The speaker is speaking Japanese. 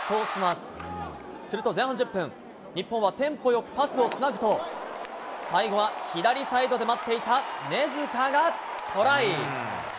すると前半１０分、日本はテンポよくパスをつなぐと、最後は左サイドで待っていた根塚がトライ。